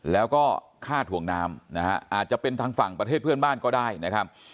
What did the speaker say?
แล้วก็ฆ่าถ่วงน้ำนะฮะอาจจะเป็นทางฝั่งประเทศเพื่อนบ้านก็ได้นะครับ